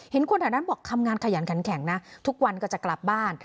เห็นคนอาจารย์บอกทำงานขยันแข็งนะทุกวันก็จะกลับบ้าน